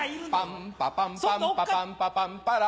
パンパパンパンパパンパパンパラ